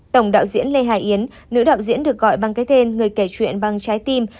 tổng đạo diễn lê hải yến nữ đạo diễn được gọi bằng cái tên người kể chuyện bằng trái tim